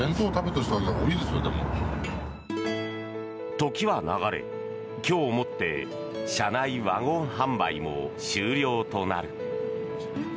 時は流れ、今日をもって車内ワゴン販売も終了となる。